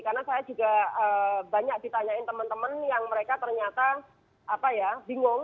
karena saya juga banyak ditanyain teman teman yang mereka ternyata bingung